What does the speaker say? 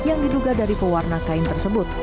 yang diduga dari pewarna kain tersebut